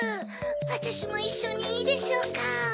わたしもいっしょにいいでしょうか？